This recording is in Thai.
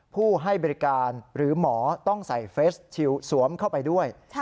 ผู้ให้บริการหรือหมอต้องใส่เฟสชิลสวมเข้าไปด้วย